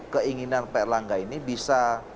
keinginan pak erlangga ini bisa